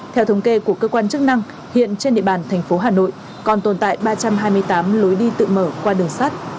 theo thống kê của cơ quan chức năng hiện trên địa bàn thành phố hà nội còn tồn tại ba trăm hai mươi tám lối đi tự mở qua đường sắt